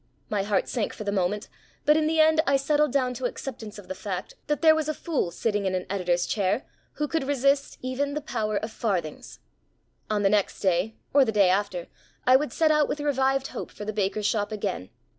My heart sank for the moment, but in the end I settled down to acceptance of the fact that there was a fool sitting in an editor's chair who could resist even the power of farthings. On the next day, or the day after, I would set out with revived hope for the baker's shop again.